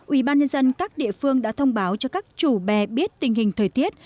ủy ban nhân dân các địa phương đã thông báo cho các chủ bè biết tình hình thời tiết